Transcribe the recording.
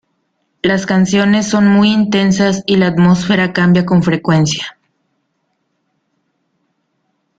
Las canciones son muy intensas y la atmósfera cambia con frecuencia.